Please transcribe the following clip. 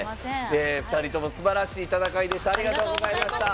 ２人ともすばらしい戦いでした。